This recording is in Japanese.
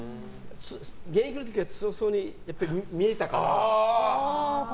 現役の時は強そうに見えたから。